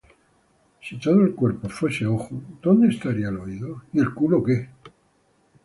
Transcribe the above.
Si todo el cuerpo fuese ojo, ¿dónde estaría el oído?